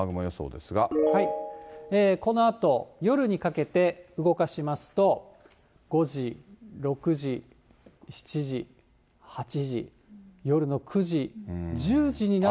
このあと、夜にかけて動かしますと、５時、６時、７時、８時、夜の９時、１０時になっても。